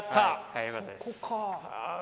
はいよかったです。